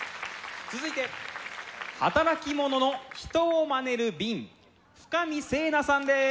続いて働き者の人を真似る瓶深見星奈さんです。